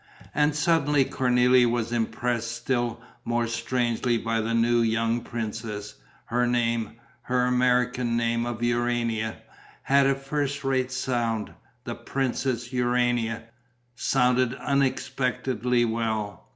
And suddenly Cornélie was impressed still more strangely by the new young princess. Her name her American name of Urania had a first rate sound: "the Princess Urania" sounded unexpectedly well.